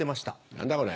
何だこれ。